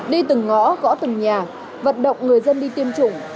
đi từng ngõ gõ từng nhà vận động người dân đi tiêm chủng